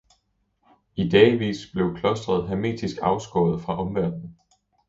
I dagevis blev klostret hermetisk afskåret fra omverdenen.